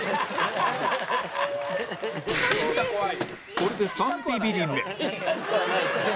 これで３ビビリ目